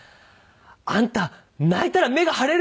「あんた泣いたら目が腫れるでしょ！」